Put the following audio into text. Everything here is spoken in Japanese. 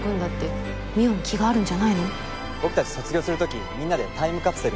僕たち卒業する時みんなでタイムカプセル埋めただろ？